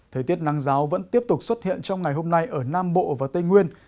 thời tiết nắng giáo vẫn tiếp tục xuất hiện trong ngày hôm nay ở nam bộ và tây nguyên